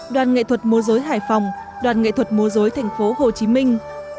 đoàn nghệ thuật mối rối hải phòng đoàn nghệ thuật mối rối thành phố hồ chí minh